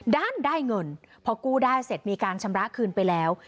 ด้านได้เงินพอกู้ได้เสร็จมีการชำระคืนไปแล้ว